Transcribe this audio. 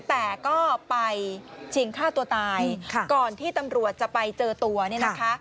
แต่ก็ไปชิงฆ่าตัวตายก่อนที่ตำรวจจะไปเจอตัวเนี่ยนะคะ